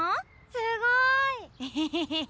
すごい！エヘヘヘヘ。